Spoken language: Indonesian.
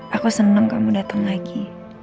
aku senang kamu datang lagi